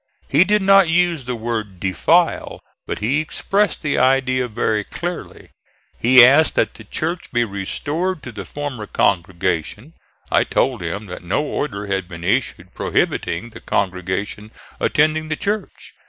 He did not use the word "defile," but he expressed the idea very clearly. He asked that the church be restored to the former congregation. I told him that no order had been issued prohibiting the congregation attending the church.